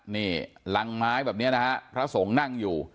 นี่รังไม้แบบนี้นะฮะพระสงฆ์นั่งอยู่